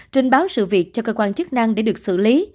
trình báo sự việc cho cơ quan chức năng để được xử lý